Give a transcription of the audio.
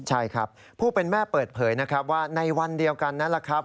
ใช่ครับผู้เป็นแม่เปิดเผยนะครับว่าในวันเดียวกันนั่นแหละครับ